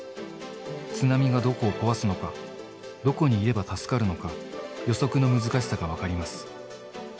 津波がどこを壊すのか、どこにいれば助かるのか、予測の難しさが分かります。